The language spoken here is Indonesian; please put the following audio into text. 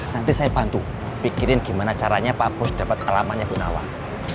nanti saya bantu pikirin gimana caranya pak bos dapat alamatnya bunawang